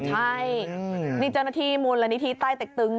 ใช่นี่เจ้าหน้าที่มุลที่ใต้แต๊กตึง